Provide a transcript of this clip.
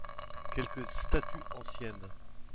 Quelques statues anciennes.